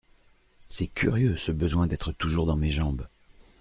C'est curieux, ce besoin d'être toujours dans mes jambes !